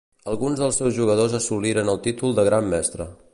Alguns dels seus jugadors assoliren el títol de Gran Mestre.